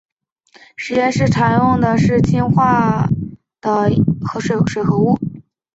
实验室常用的是氢氧化铯一水合物。